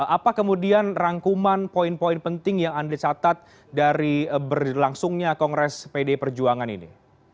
apa kemudian rangkuman poin poin penting yang anda catat dari berlangsungnya kongres pdi perjuangan ini